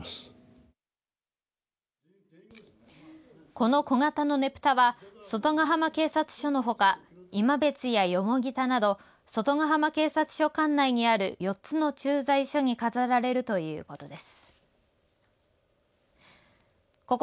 この小型のねぷたは外ヶ浜警察署のほか今別や蓬田など外ヶ浜警察署管内にある４つの駐在所に飾られるということです。